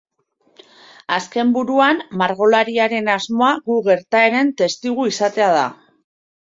Azken buruan, margolariaren asmoa gu gertaeren testigu izatea da.